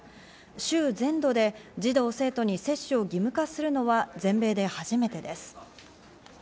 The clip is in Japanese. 州全土で児童・生徒に接種を義務化するのは全米で初めてです。